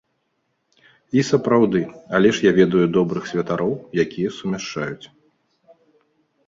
І сапраўды, але ж я ведаю добрых святароў, якія сумяшчаюць.